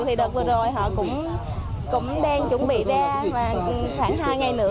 thì đợt vừa rồi họ cũng đang chuẩn bị ra